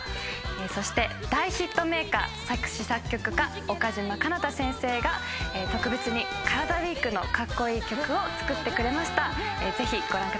そして、大ヒットメーカー作詞作曲家・岡嶋かな多先生が特別にカラダＷＥＥＫのカッコいい曲を作ってくれました。